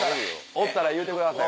おったら言うてください。